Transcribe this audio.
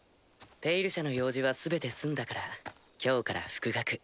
「ペイル社」の用事は全て済んだから今日から復学。